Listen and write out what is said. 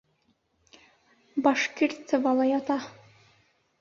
Башкирцевала ята.